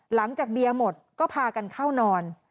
หลังจากเบียหมดก็พากันเข้านอน